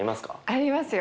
ありますよ。